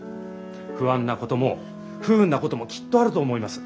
不安なことも不運なこともきっとあると思います。